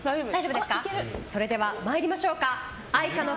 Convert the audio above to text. それでは参りましょう。